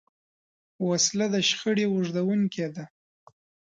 وسله د شخړې اوږدوونکې ده